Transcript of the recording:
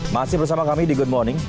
masih bersama kami di good morning